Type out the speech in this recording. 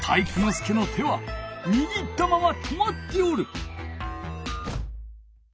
介の手はにぎったまま止まっておる。